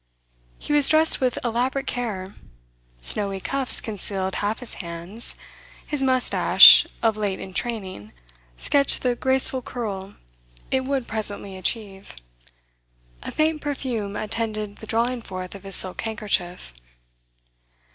He was dressed with elaborate care. Snowy cuffs concealed half his hands; his moustache, of late in training, sketched the graceful curl it would presently achieve; a faint perfume attended the drawing forth of his silk handkerchief.